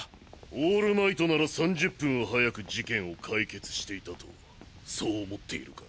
オールマイトなら３０分は早く事件を解決していたとそう思っているか？